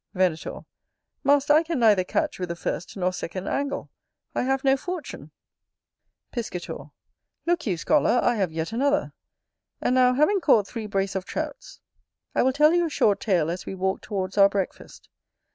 Venator. Master, I can neither catch with the first nor second angle: I have no fortune. Piscator. Look you, scholar, I have yet another. And now, having caught three brace of Trouts, I will tell you a short tale as we walk towards our breakfast.